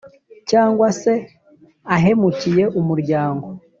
Cyangwa se ahemukiye umuryango